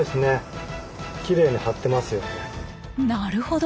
なるほど。